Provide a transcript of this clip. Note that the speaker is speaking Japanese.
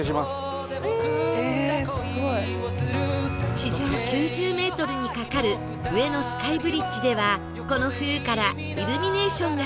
地上９０メートルに架かる上野スカイブリッジではこの冬からイルミネーションがスタート